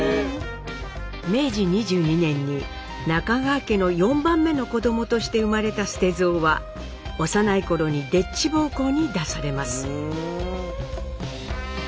明治二十二年に中川家の４番目の子どもとして生まれた捨蔵は幼い頃にでっち奉公に出されます。